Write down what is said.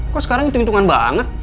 kok sekarang hitung hitungan banget